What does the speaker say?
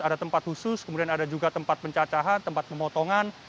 ada tempat khusus kemudian ada juga tempat pencacahan tempat pemotongan